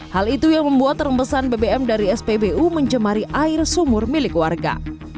hal itu yang membuat rembesan bbm dari spbu mencemari air sumur milik warga